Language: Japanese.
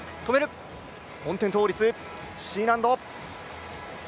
翻転倒立、Ｃ難度。